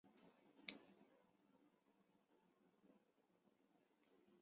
分发为知县。